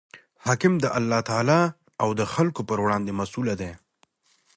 حاکم د الله تعالی او د خلکو پر وړاندي مسئوله دئ.